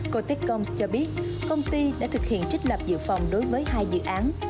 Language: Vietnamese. corticcoms cho biết công ty đã thực hiện trích lập dự phòng đối với hai dự án